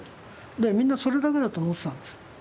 でみんなそれだけだと思ってたんですよ。